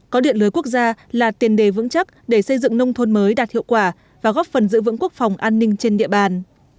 có điện lưới quốc gia là tiền đề vững chắc để xây dựng nông thôn mới đạt hiệu quả và góp phần giữ vững quốc phòng an ninh trên địa bàn